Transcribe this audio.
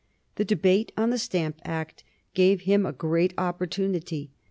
The debate on the Stamp Act gave him a great opportunity.